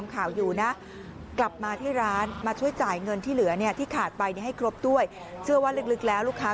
มองเลขศูนย์สุดท้ายเนี่ยตอนลูกค้าออกจากร้านไป